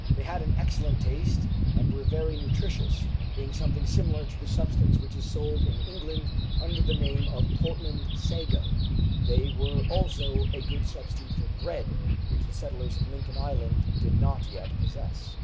They had an excellent taste, and were very nutritious, being something similar to the substance which is sold in England under the name of "Portland sago"; they were also a good substitute for bread, which the settlers in Lincoln Island did not yet possess.